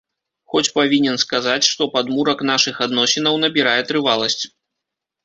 Хоць павінен сказаць, што падмурак нашых адносінаў набірае трываласць.